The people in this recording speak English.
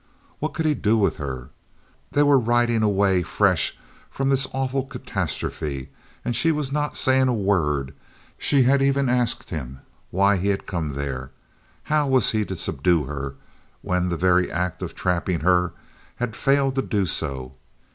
What could he do with her? They were riding away fresh from this awful catastrophe, and she was not saying a word! She had even asked him why he had come there! How was he to subdue her, when the very act of trapping her had failed to do so?